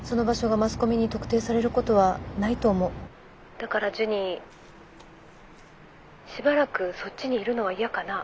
だからジュニしばらくそっちにいるのは嫌かなあ。